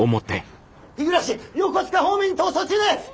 日暮横須賀方面に逃走中です！